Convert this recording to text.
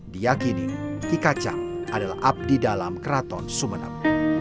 diakini ki kacang adalah abdi dalam keraton sumeneb